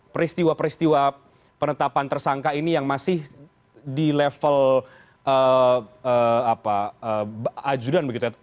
peristiwa peristiwa penetapan tersangka ini yang masih di level ajudan begitu